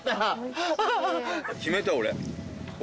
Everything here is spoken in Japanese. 決めた俺。